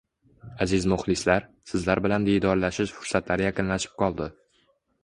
Aziz muxlislar, sizlar bilan diydorlashish fursatlari yaqinlashib qoldi.